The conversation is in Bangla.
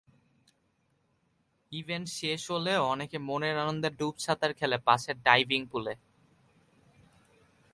ইভেন্ট শেষ হলেও অনেকে মনের আনন্দে ডুবসাঁতার খেলে পাশের ডাইভিং পুলে।